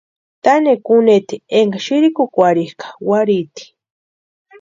Tanhekwa únheti énka sïrikukwarhikʼa warhiiti.